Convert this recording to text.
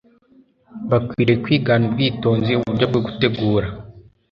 bakwiriye kwigana ubwitonzi uburyo bwo gutegura